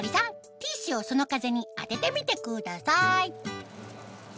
ティッシュをその風に当ててみてください